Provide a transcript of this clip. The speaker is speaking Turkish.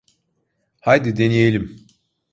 Haydi deneyelim.